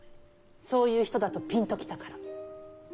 そういう人だとピンと来たから。